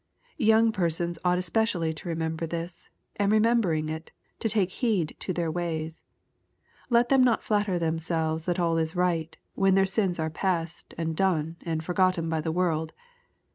Young persons ought especially to remember this, and, remembering it, to take heed to their ways. Let them not flatter themselves that all is right, when their sins are past, and done, and forgotten by the world.